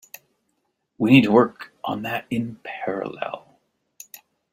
We need to work on that in parallel.